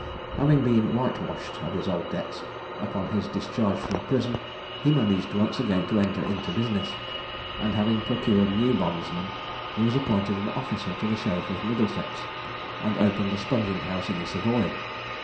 Having been "whitewashed" of his old debts, upon his discharge from prison he managed once again to enter into business, and having procured new bondsmen, he was appointed an officer to the sheriff of Middlesex, and opened a sponging house in the Savoy.